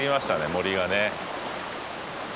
森がね。